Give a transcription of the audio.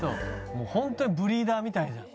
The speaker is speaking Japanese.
もうホントにブリーダーみたいじゃん。